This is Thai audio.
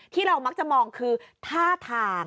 ที่เรามักจะมองคือท่าทาง